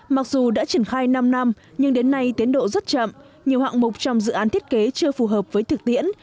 mặc dù đã triển khai năm năm nhưng đến nay tiến độ rất chậm nhiều hạng mục trong dự án thiết kế chưa phù hợp với thực tiễn